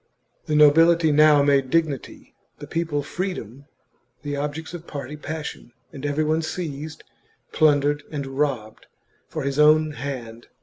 The nobility now made dignity, the people freedom, the objects of party passion, and every one seized, plundered, and robbed, for his own hand.